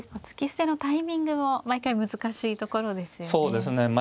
突き捨てのタイミングも毎回難しいところですよね。